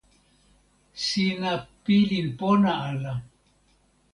sina pilin pona ala.